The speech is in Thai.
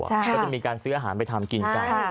ก็จะมีการซื้ออาหารไปทำกินกัน